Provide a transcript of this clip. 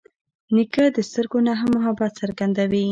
نیکه د سترګو نه هم محبت څرګندوي.